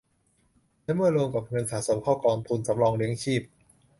และเมื่อรวมกับเงินสะสมเข้ากองทุนสำรองเลี้ยงชีพ